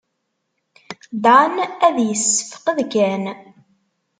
Dan ad yessefqed kan.